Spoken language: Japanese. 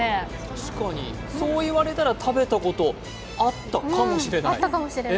確かに、そう言われたら食べたこと、あったかもしれない。